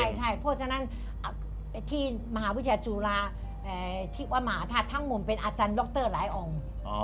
ใช่เพราะฉะนั้นที่มหาวิทยาจุฬาธิวมหาธาตุทั้งหมดเป็นอาจารย์ดรหลายองค์